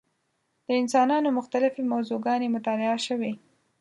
د انسانانو مختلفې موضوع ګانې مطالعه شوې.